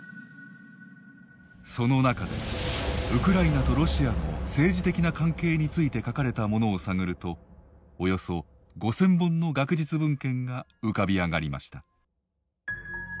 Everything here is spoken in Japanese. その中でウクライナとロシアの政治的な関係について書かれたものを探るとおよそ５０００本の学術文献が浮かび上がりました。